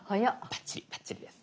バッチリバッチリです。